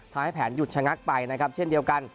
ทำให้แผนหยุดชะงักไปนะครับเช่นเดียวกัน